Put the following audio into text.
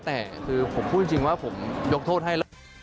แต่คือผมพูดจริงว่าผมยกโทษให้แล้ว